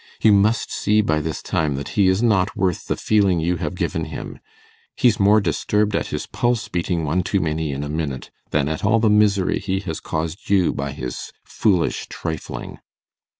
You must see by this time that he is not worth the feeling you have given him. He's more disturbed at his pulse beating one too many in a minute, than at all the misery he has caused you by his foolish trifling.